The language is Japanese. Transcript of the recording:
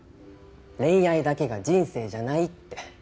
恋愛だけが人生じゃないって。